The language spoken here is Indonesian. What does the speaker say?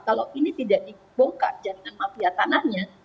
kalau ini tidak dibongkar jaringan mafia tanahnya